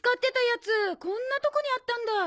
こんなとこにあったんだ。